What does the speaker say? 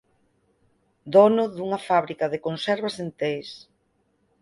Dono dunha fábrica de conservas en Teis.